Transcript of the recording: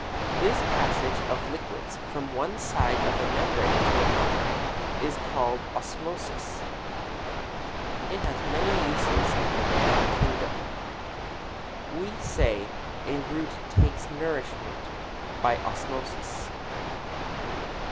This passage of liquids from one side of a membrane to another is called osmosis. It has many uses in the plant kingdom. We say a root takes nourishment by osmosis.